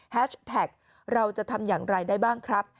แฮชแท็กเราจะทำอย่างไรได้บ้างครับ